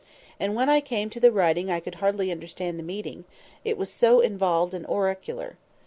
And when I came to the writing I could hardly understand the meaning, it was so involved and oracular.